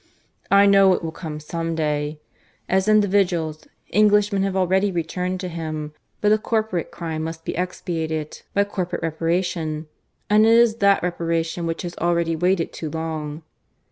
I know it will come some day. As individuals, Englishmen have already returned to Him. But a corporate crime must be expiated by corporate reparation, and it is that reparation which has already waited too long.